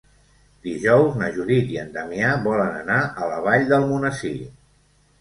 Dijous na Judit i en Damià volen anar a la Vall d'Almonesir.